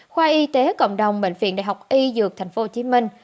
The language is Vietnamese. khoa y tế cộng đồng bệnh viện đại học y dược tp hcm